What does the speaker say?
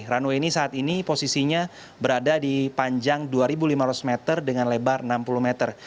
runway ini saat ini posisinya berada di panjang dua lima ratus meter dengan lebar enam puluh meter